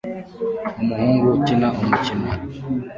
Umuhungu akina umukino